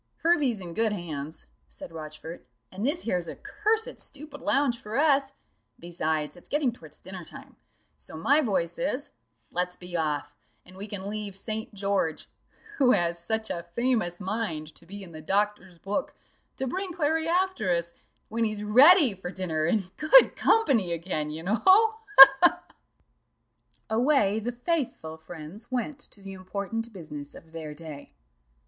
"Hervey's in good hands," said Rochfort, "and this here's a cursed stupid lounge for us besides, it's getting towards dinner time; so my voice is, let's be off, and we can leave St. George (who has such a famous mind to be in the doctor's book) to bring Clary after us, when he's ready for dinner and good company again, you know ha! ha! ha!" Away the faithful friends went to the important business of their day.